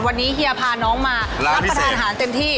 วันนี้เฮียพาน้องมารับประทานอาหารเต็มที่